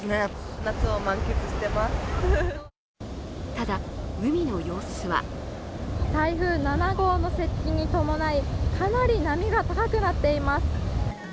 ただ、海の様子は台風７号の接近に伴いかなり波が高くなっています。